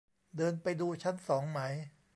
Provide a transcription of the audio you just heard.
เดินไปดูชั้นสองไหม